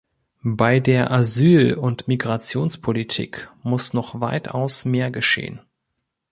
Bei der Asyl- und Migrationspolitik muss noch weitaus mehr geschehen.